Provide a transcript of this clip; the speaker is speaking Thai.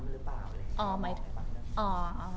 พักผ่าว่าเอาจริงว่าคุณผู้โดยมีไม้มีเป็นไฮโซจริงหรื่อเปล่า